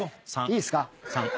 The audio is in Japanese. いいですか。